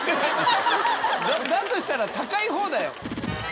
だとしたら高いほうだよ。